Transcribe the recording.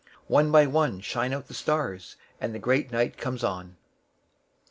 One by one14Shine out the stars, and the great night comes on.